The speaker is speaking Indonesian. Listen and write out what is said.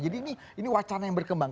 jadi ini ini wacana yang berkembang